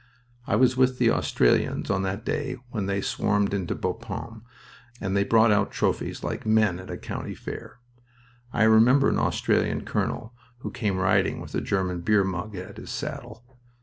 I was with the Australians on that day when they swarmed into Bapaume, and they brought out trophies like men at a country fair... I remember an Australian colonel who came riding with a German beer mug at his saddle...